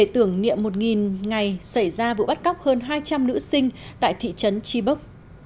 tưởng niệm một ngày xảy ra vụ bắt cóc hơn hai trăm linh nữ sinh tại thị trấn chibok